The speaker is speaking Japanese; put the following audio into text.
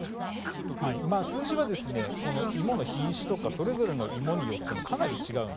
数字は芋の品種とかそれぞれの芋によってもかなり違います。